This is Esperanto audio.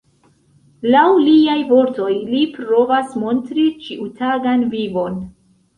Laŭ liaj vortoj li provas montri ĉiutagan vivon.